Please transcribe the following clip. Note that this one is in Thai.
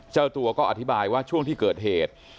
เจ้าตัวก็อธิบายว่าช่วงที่เกิดเหตุ